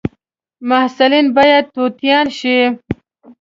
محصلین باید توتیان شي